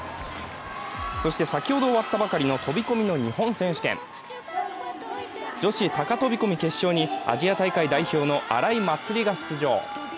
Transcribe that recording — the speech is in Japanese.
先ほど終わったばかりの飛び込みの日本選手権女子高飛び込み決勝にアジア大会代表の荒井祭里が出場。